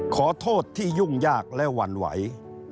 ขอโทษที่ยุ่งยากและหวั่นไหว